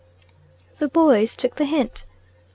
The boys took the hint.